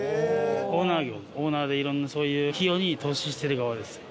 オーナー業オーナーで色んなそういう企業に投資してる側です。